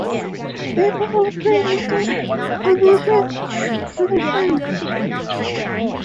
The people pay little or no heed to the saints.